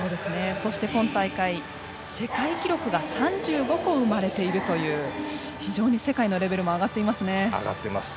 そして今大会、世界記録が３５個生まれているという非常に世界のレベルも上がっていますね。